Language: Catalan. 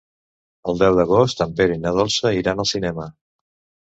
El deu d'agost en Pere i na Dolça iran al cinema.